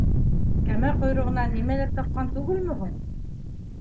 Кәмә ҡойроғона нимәлер таҡҡан түгелме һуң?